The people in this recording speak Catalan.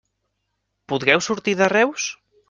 Podreu sortir de Reus?